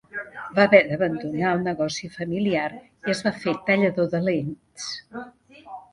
Va haver d'abandonar el negoci familiar i es va fer tallador de lents.